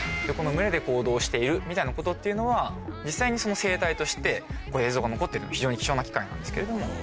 群れで行動しているみたいなことっていうのは実際にその生態として映像が残っているのは非常に貴重な機会なんですけれども。